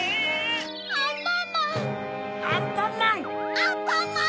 アンパンマン！